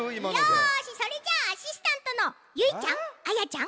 よしそれじゃあアシスタントのゆいちゃんあやちゃん